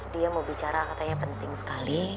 dia mau bicara katanya penting sekali